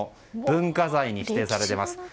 文化財に指定されています。